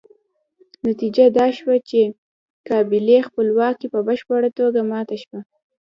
نتیجه دا شوه چې قبایلي خپلواکي په بشپړه توګه ماته شوه.